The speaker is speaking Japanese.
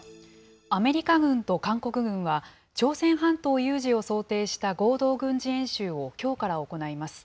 アメリカ軍と韓国軍は、朝鮮半島有事を想定した合同軍事演習をきょうから行います。